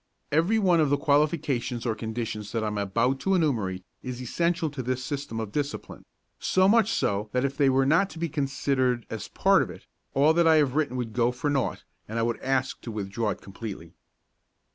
Every one of the qualifications or conditions that I am about to enumerate is essential to this system of discipline, so much so that if they were not to be considered as part of it, all that I have written would go for naught and I would ask to withdraw it completely.